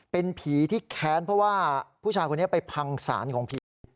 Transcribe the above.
เป็นผีที่แค้นเพราะว่าผู้ชายคนนี้ไปพังสารของผี